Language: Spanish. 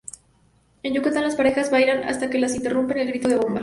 En Yucatán, "las parejas bailan hasta que las interrumpe el grito de ¡bomba!